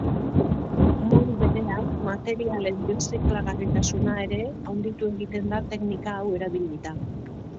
Modu berean materialen biziklagarritasuna ere handitu egiten da teknika hau erabilita.